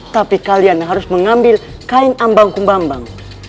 tapi kalian harus mengambil kain ambang kumbang